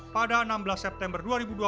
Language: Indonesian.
pada enam belas september dua ribu dua puluh